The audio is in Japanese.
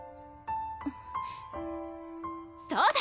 そうだ！